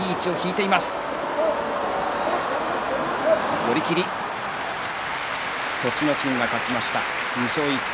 寄り切り、栃ノ心が勝ちました、２勝１敗。